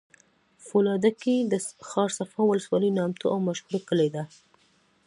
فولادګی د ښارصفا ولسوالی نامتو او مشهوره کلي دی